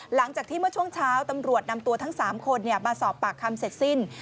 หลังจากที่เมื่อช่วงเช้าตำรวจนำตัวทั้ง๓คนมาสอบปากคำเสร็จสิ้น